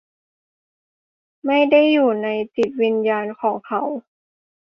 ไม่ได้อยู่ในจิตวิญญาณของเขา ?